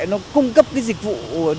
nó cung cấp cái dịch vụ